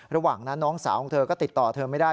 ระหว่างนั้นน้องสาวของเธอก็ติดต่อเธอไม่ได้